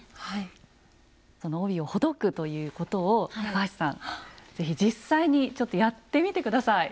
その帯をほどくということを高橋さん是非実際にちょっとやってみて下さい。